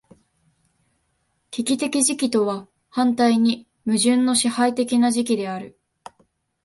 危機的時期とは反対に矛盾の支配的な時期である。